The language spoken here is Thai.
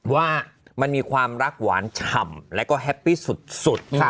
ว่ามันมีความรักหวานฉ่ำแล้วก็แฮปปี้สุด